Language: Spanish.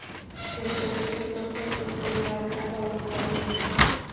Dentro del sector se encuentra la Araucaria.